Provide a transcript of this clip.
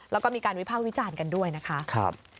แล้วก็มีการวิภาควิจารณ์กันด้วยนะคะ